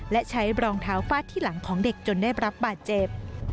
และใช้รองเท้าฟาดที่หลังของเด็กจนได้รับบาดเจ็บ